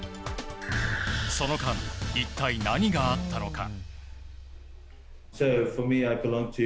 その間、一体何があったのか。